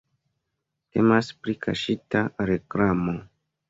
Temas pri kaŝita reklamo.